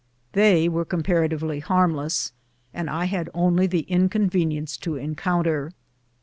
They were comparatively harmless, and I had only the inconvenience to encounter.